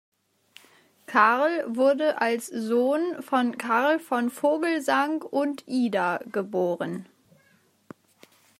Karl wurde als Sohn von Karl von Vogelsang und Ida, geb.